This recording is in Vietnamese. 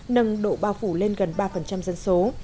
nâng độ bao phủ lên gần một triệu đồng